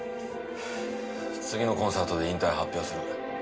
次のコンサートで引退を発表する。